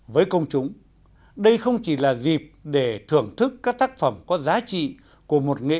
với công chúng đây không chỉ là dịp để thưởng thức các tác phẩm có giá trị của một nghệ sĩ